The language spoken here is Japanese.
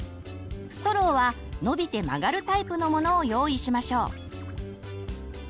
ストローは伸びて曲がるタイプのものを用意しましょう。